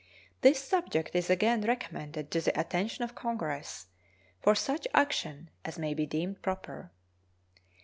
This subject is again recommended to the attention of Congress for such action as may be deemed proper.